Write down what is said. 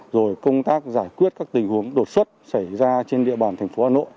rồi công tác giải quyết các tình huống đột xuất xảy ra trên địa bàn thành phố hà nội